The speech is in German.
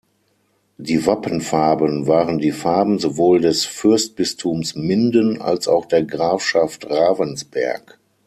Die Wappenfarben waren die Farben sowohl des Fürstbistums Minden als auch der Grafschaft Ravensberg.